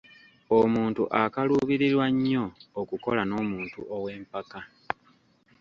Omuntu akaluubirirwa nnyo okukola n’omuntu ow’empaka.